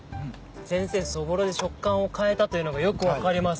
先生そぼろで食感を変えたというのがよく分かります。